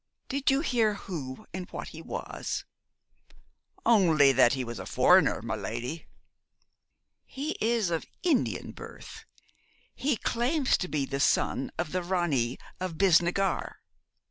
'Did you hear who and what he was?' 'Only that he was a foreigner, my lady.' 'He is of Indian birth. He claims to be the son of the Ranee of Bisnagar.'